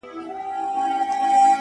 پخوا د كلي په گودر كي جـادو؛